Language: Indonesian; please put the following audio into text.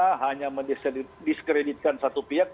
kita hanya mendiskreditkan satu pihak